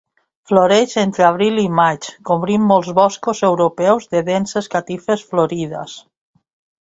Floreix entre abril i maig cobrint molts boscos europeus de denses catifes florides.